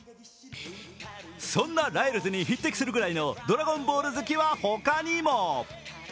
そんなライルズに匹敵するぐらいの「ドラゴンボール」好きは他にも。